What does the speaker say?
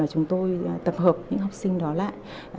chúng tôi tập hợp những học sinh đó lại